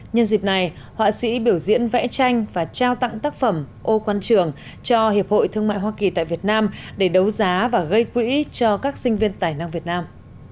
nhân dịp này họa sĩ biểu diễn vẽ tranh và trao tặng tác phẩm ô quan trường cho hiệp hội thương mại hoa kỳ tại việt nam để đấu giá và gây quỹ cho các sinh viên tài năng việt nam